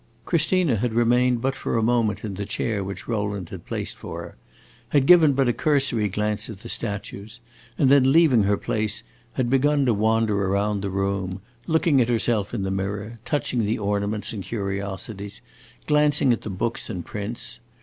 Christina had remained but for a moment in the chair which Rowland had placed for her, had given but a cursory glance at the statues, and then, leaving her place, had begun to wander round the room looking at herself in the mirror, touching the ornaments and curiosities, glancing at the books and prints.